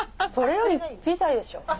それよりピザでしょ。